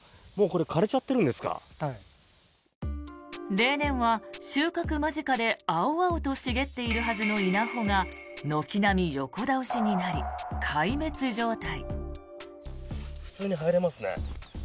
例年は収穫間近で青々と茂っているはずの稲穂が軒並み横倒しになり、壊滅状態。